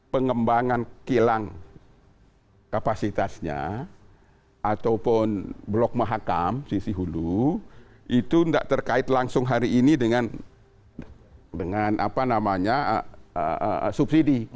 pengembangan kilang kapasitasnya ataupun blok mahakam sisi hulu itu tidak terkait langsung hari ini dengan subsidi